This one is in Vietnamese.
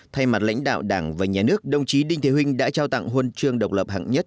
thay mặt lãnh đạo đảng và nhà nước đồng chí đinh thế huynh đã trao tặng hôn trương độc lập hẳn nhất